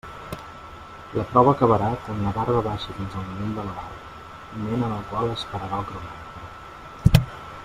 La prova acabarà quan la barba baixi fins al nivell de la barra, moment en el qual es pararà el cronòmetre.